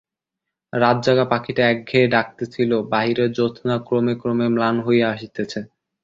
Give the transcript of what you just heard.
রাত-জাগা পাখীটা একঘেয়ে ডাকিতেছিল, বাহিরের জ্যোৎস্না ক্রমে ক্রমে ম্লান হইয়া আসিতেছে।